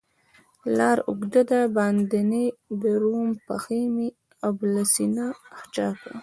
لار اوږده ده باندې درومم، پښي مې ابله سینه چاکه